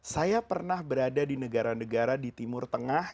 saya pernah berada di negara negara di timur tengah